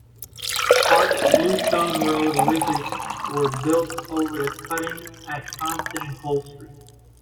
Arched bluestone road bridges were built over the cutting at Thompson and Cole Streets.